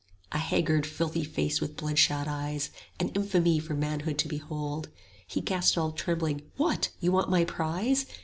A haggard filthy face with bloodshot eyes, 25 An infamy for manhood to behold. He gasped all trembling, What, you want my prize?